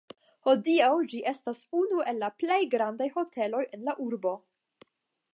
Hodiaŭ ĝi estas unu el la plej grandaj hoteloj en la urbo.